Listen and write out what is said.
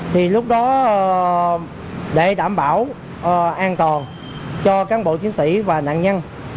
thì lúc đó để đảm bảo an toàn cho cán bộ chiến sĩ và nạn nhân